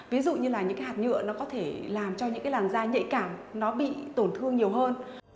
ví dụ như là những cái hạt nhựa nó có thể làm cho những cái làn da nhạy cảm nó bị tổn thương nhiều hơn